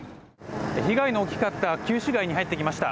被害の大きかった旧市街に入ってきました。